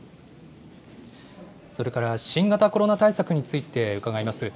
それから、新型コロナ対策について伺います。